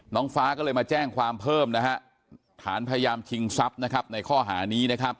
น้องฟ้าก็เลยมาแจ้งความเพิ่มนะฮะฐานพยายามชิงทรัพย์ในข้อหานี้นะครับ